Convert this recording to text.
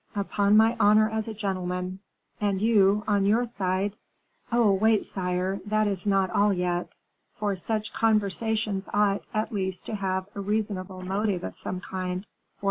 "Upon my honor as a gentleman; and you, on your side " "Oh, wait, sire, that is not all yet; for such conversations ought, at least, to have a reasonable motive of some kind for M.